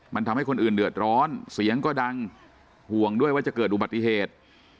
มันทำให้คนอื่นเดือดร้อนเสียงก็ดังห่วงด้วยว่าจะเกิดอุบัติเหตุ